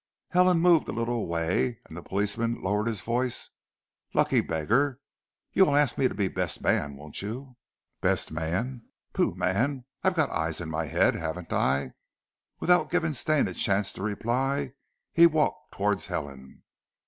Helen moved a little away, and the policeman lowered his voice, "Lucky beggar! You'll ask me to be best man, won't you?" "Best man!" "Pooh, man! I've got eyes in my head, haven't I?" Without giving Stane a chance to reply, he walked towards Helen.